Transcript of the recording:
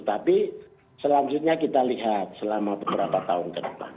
tapi selanjutnya kita lihat selama beberapa tahun ke depan